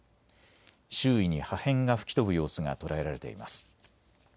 周囲に破片が吹き飛ぶ様子が捉えられています。